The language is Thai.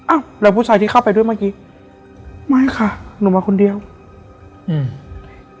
อ้าวแล้วผู้ชายที่เข้าไปด้วยเมื่อกี้ไม่ค่ะหนูมาคนเดียวอืม